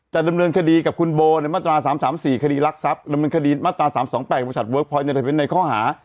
จะดำเนินคดีกับคุณโบในมาตรา๓๓๔คดีรักทรัพย์ดำเนินคดีมาตรา๓๒๘บริษัทเวิร์คพอยในข้อหา